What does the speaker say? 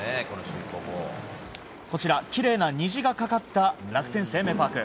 きれいな虹がかかった楽天生命パーク。